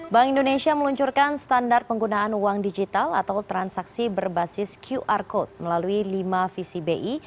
bank indonesia meluncurkan standar penggunaan uang digital atau transaksi berbasis qr code melalui lima visi bi